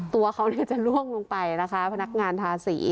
ตัวเขาจะล่วงลงไปนะคะพนักงานทาสี